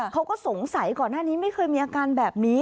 เขาก็สงสัยก่อนหน้านี้ไม่เคยมีอาการแบบนี้